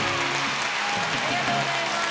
ありがとうございます。